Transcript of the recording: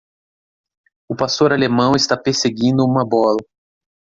O pastor alemão está perseguindo uma bola.